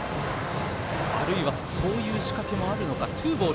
あるいはそういう仕掛けもあるのか。